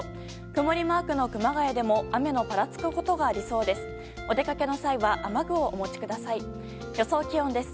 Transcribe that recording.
曇りマークの熊谷でも雨のぱらつくことがありそうです。